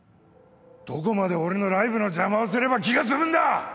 どこまで俺のライブの邪魔をすれば気が済むんだ！